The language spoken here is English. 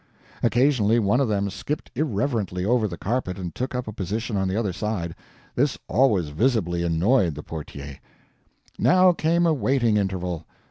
Occasionally one of them skipped irreverently over the carpet and took up a position on the other side. This always visibly annoyed the PORTIER. Now came a waiting interval.